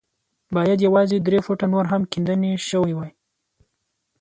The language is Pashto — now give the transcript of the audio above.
بايد يوازې درې فوټه نور هم کيندنې شوې وای.